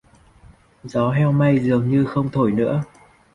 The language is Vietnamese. Gió heo may dường như không thổi nữa